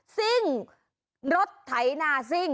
ซิ่งรถไถนาซิ่ง